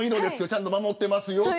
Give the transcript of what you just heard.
ちゃんと守ってますよって。